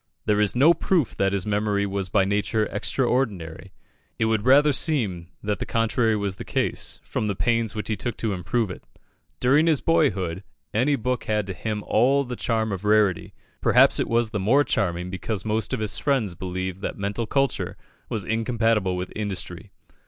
There is no proof that his memory was by nature extraordinary it would rather seem that the contrary was the case, from the pains which he took to improve it. During his boyhood, any book had to him all the charm of rarity; perhaps it was the more charming because most of his friends believed that mental culture was incompatible with industry.